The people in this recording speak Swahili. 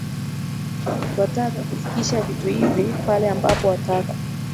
Twataka kufikisha vitu hivi pale ambapo wataka